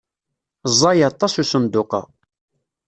Ẓẓay aṭas usenduq-a.